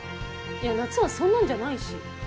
いやなっつんはそんなんじゃないし。